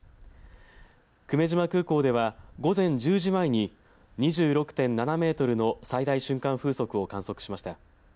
久米島空港では午前１０時前に２６．７メートルの最大瞬間風速を観測しました。